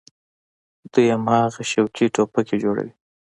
دوى هماغسې شوقي ټوپکې جوړوي.